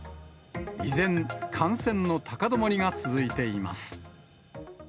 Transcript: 依然、感染の高止まりが続いています。